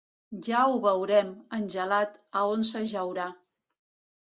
Ja ho veurem, en Gelat, a on s'ajaurà.